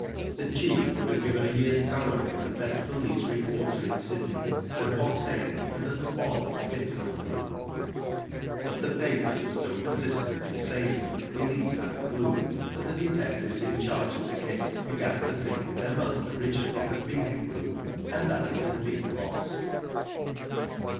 The ''chi6f" would have given a year's salary of the best police reporter in Sydney to have obtained even the smallest bit of a clue. But the papers were so persistent in saying the police had a clue, that the detectives in charge of the case began to think there Digitized byGoogk 28 WHO DID ITf must originally have been a clue, and that it had been lost.